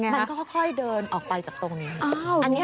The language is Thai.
มันก็ค่อยเดินออกไปจากตรงนี้